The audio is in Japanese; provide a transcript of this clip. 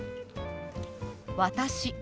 「私」。